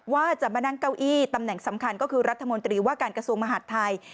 ว่าจะมานั่งเก้าอี้ตำแหน่งสำคัญก็คือรัฐมนตรีว่าการกระทรวงมหาดไทย